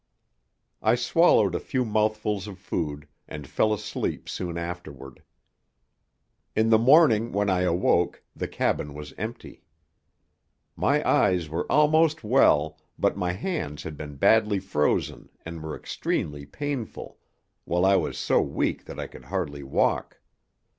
I swallowed a few mouthfuls of food and fell asleep soon afterward. In the morning when I awoke the cabin was empty. My eyes were almost well, but my hands had been badly frozen and were extremely painful, while I was so weak that I could hardly walk.